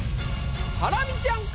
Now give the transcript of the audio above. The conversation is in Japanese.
ハラミちゃんか？